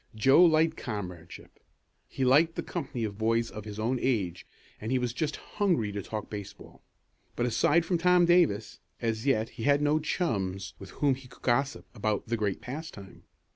Joe liked comradeship. He liked the company of boys of his own age and he was just "hungry" to talk baseball. But, aside from Tom Davis, as yet he had no chums with whom he could gossip about the great pastime.